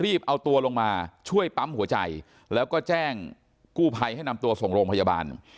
เอาตัวลงมาช่วยปั๊มหัวใจแล้วก็แจ้งกู้ภัยให้นำตัวส่งโรงพยาบาล